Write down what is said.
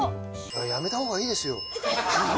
やめたほうがいいですよ。